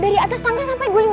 dari atas tangga sampai guling